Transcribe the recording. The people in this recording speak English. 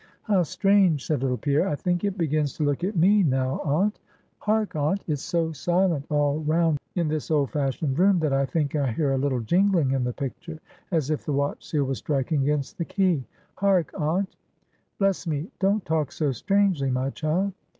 "How strange," said little Pierre, "I think it begins to look at me now, aunt. Hark! aunt, it's so silent all round in this old fashioned room, that I think I hear a little jingling in the picture, as if the watch seal was striking against the key Hark! aunt." "Bless me, don't talk so strangely, my child."